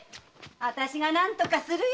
あたしが何とかするよ！